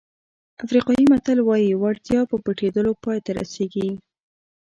افریقایي متل وایي وړتیا په پټېدلو پای ته رسېږي.